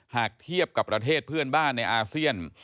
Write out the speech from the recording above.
หากเทียบกับประเทศเพื่อนบ้านในอาเซียน